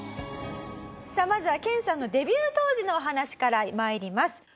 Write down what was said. さあまずは研さんのデビュー当時のお話からまいります。